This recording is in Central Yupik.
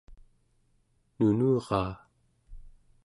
nunuraa